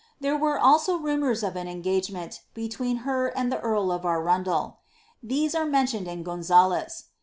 There were also rumours of an engagement between her and the earl of Arundel. These are mentioned in Gonsales.'